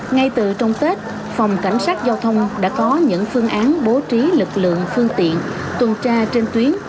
ngay từ trong tết phòng cảnh sát giao thông đã có những phương án bố trí lực lượng phương tiện tuần tra trên tuyến